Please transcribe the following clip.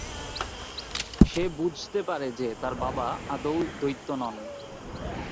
সে বুঝতে পারে যে তার বাবা আদৌ দৈত্য নন।